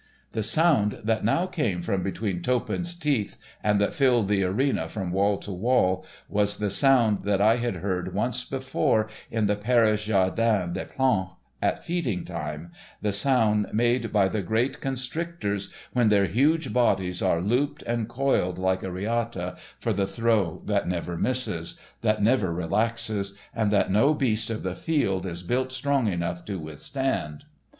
The sound that now came from between Toppan's teeth and that filled the arena from wall to wall, was the sound that I had heard once before in the Paris Jardin des Plantes at feeding time—the sound made by the great constrictors, when their huge bodies are looped and coiled like a reata for the throw that never misses, that never relaxes, and that no beast of the field is built strong enough to withstand.